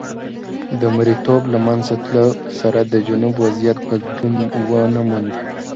د مریتوب له منځه تلو سره د جنوب وضعیت بدلون ونه موند.